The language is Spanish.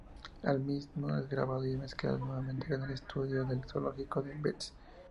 El mismo es grabado y mezclado nuevamente en el estudio "El Zoológico", de Bs.